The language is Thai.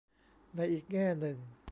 ในอีกแง่หนึ่ง